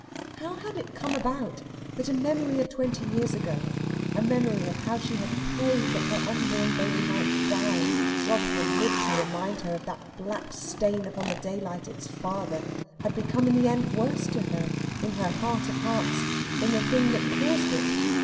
How had it come about that a memory of twenty years ago, a memory of how she had prayed that her unborn baby might die, rather than live to remind her of that black stain upon the daylight, its father, had become in the end worse to her, in her heart of hearts, than the thing that caused it?